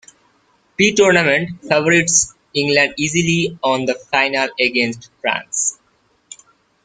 Pre-tournament favourites England easily won the final against France.